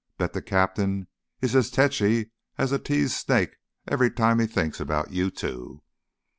"Bet th' captain is as techy as a teased snake every time he thinks 'bout you two.